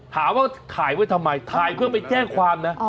ถามว่าถ่ายไว้ทำไมถ่ายเพื่อไปแจ้งความนะ